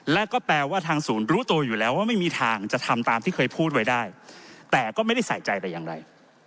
และก็แปลว่าทางศูนย์รู้ตัวอยู่แล้วว่าไม่มีทางจะทำตามที่เคยพูดไว้ได้แต่ก็ไม่ได้ใส่ใจแต่อย่างไร